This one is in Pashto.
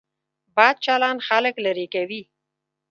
بد چلند خلک لرې کوي.